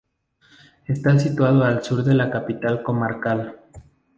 Está situado al sur de la capital comarcal.